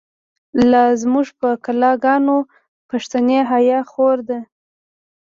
لا زمونږ په کلا گانو، پښتنی حیا خوره ده